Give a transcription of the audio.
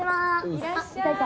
いらっしゃい。